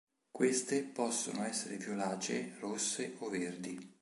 Queste possono essere violacee, rosse o verdi.